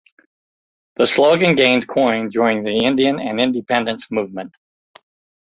The slogan gained coin during the Indian independence movement.